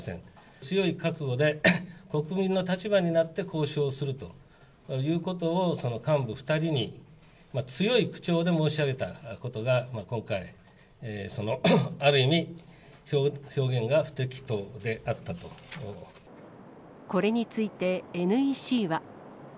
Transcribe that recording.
強い覚悟で、国民の立場になって交渉するということを、その幹部２人に強い口調で申し上げたことが、今回、ある意味、これについて、ＮＥＣは。